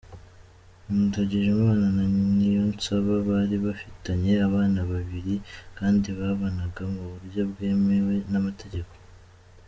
Ndagijimana na Niyonsaba bari bafitanye abana babibiri kandi babanaga mu buryo bwemewe n’amategeko.